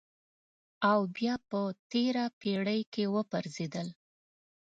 او بیا په تېره پېړۍ کې وپرځېدل.